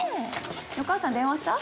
お母さんに電話した？